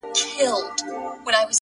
o گراني په دې ياغي سيتار راته خبري کوه ـ